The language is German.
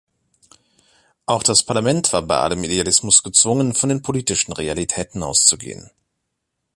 Auch das Parlament war bei allem Idealismus gezwungen, von den politischen Realitäten auszugehen.